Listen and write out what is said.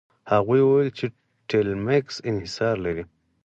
هغوی وویل چې ټیلمکس انحصار لري.